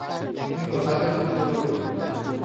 আমি ঘোড়াদের মুক্ত করব।